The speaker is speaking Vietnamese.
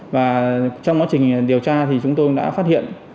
và trong quá trình điều tra thì chúng tôi đã phát hiện